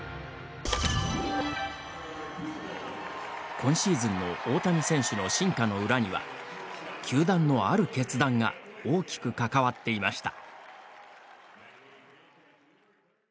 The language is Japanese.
今シーズンの大谷選手の進化の裏には球団のある決断が大きく関わっていました。